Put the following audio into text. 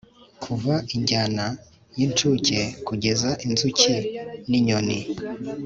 kuva injyana yincuke kugeza inzuki ninyoni